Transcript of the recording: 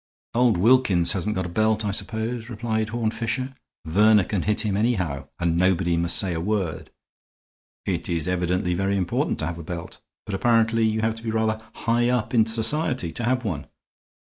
"Old Wilkins hasn't got a belt, I suppose," replied Horne Fisher. "Verner can hit him anyhow, and nobody must say a word. It's evidently very important to have a belt. But apparently you have to be rather high up in society to have one.